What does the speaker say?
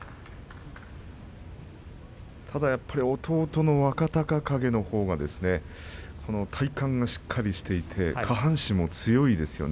ただやっぱり弟の若隆景のほうが体幹がしっかりしていますね